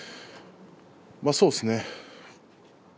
そうですね。